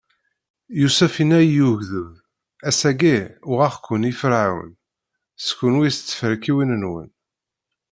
Yusef inna i ugdud: Ass-agi, uɣeɣ-ken i Ferɛun, s kenwi, s tferkiwin-nwen.